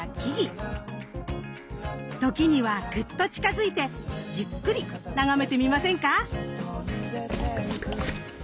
時にはグッと近づいてじっくり眺めてみませんか。